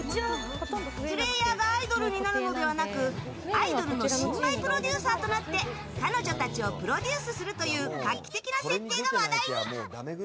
プレーヤーがアイドルになるのではなくアイドルの新米プロデューサーとなって彼女たちをプロデュースするという画期的な設定が話題に。